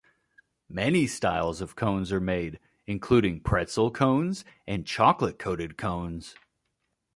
Many styles of cones are made, including pretzel cones and chocolate-coated cones.